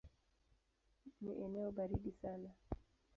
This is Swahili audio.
Ni eneo baridi sana.